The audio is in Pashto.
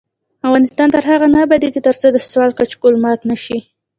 افغانستان تر هغو نه ابادیږي، ترڅو د سوال کچکول مات نشي.